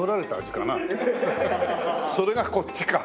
それがこっちか。